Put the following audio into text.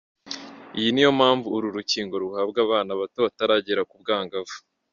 Iyi ni yo mpamvu uru rukingo ruhabwa abana bato bataragera ku bwangavu.